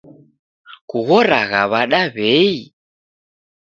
Kughoragha w'ada w'ei?